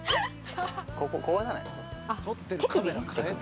こここうじゃない？